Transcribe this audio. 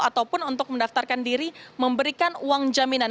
ataupun untuk mendaftarkan diri memberikan uang jaminan